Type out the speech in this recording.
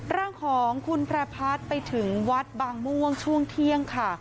ร่างของคุณพระพัฒน์ไปถึงวัดบางม่วงช่วงเที่ยงค่ะ